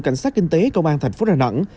cảnh sát kinh tế công an thành phố đà nẵng